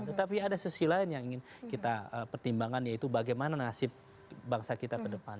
tetapi ada sisi lain yang ingin kita pertimbangkan yaitu bagaimana nasib bangsa kita ke depan